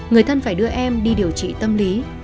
người thân phải đưa em đi điều trị tâm lý